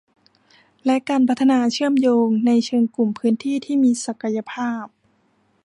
และการพัฒนาเชื่อมโยงในเชิงกลุ่มพื้นที่ที่มีศักยภาพ